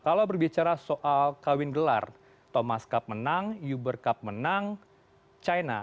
kalau berbicara soal kawin gelar thomas cup menang yuber cup menang china